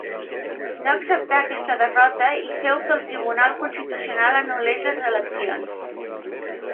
No acceptà aquesta derrota i féu que el Tribunal Constitucional anul·lés les eleccions.